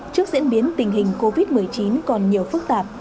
trước diễn biến tình hình covid một mươi chín còn nhiều phức tạp